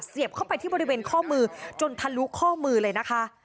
เข้าไปที่บริเวณข้อมือจนทะลุข้อมือเลยนะคะ